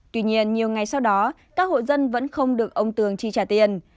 tuy nhiên nhiều ngày sau đó các hộ dân vẫn không được ông tường chi trả tiền